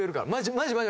マジマジ！